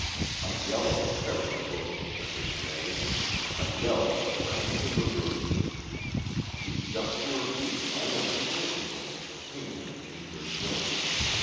A yell of terror broke from Mrs. May, a yell that rang to the roof. She jumped to her feet only to sink again with the pain of the injured limb.